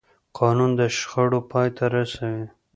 قانون د شخړو پای ته رسوي